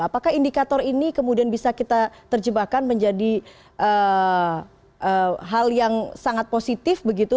apakah indikator ini kemudian bisa kita terjebakkan menjadi hal yang sangat positif begitu